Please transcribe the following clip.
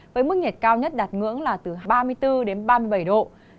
với mức nhiệt cao nhất đạt ngưỡng là từ ba mươi bốn đến ba mươi bảy độ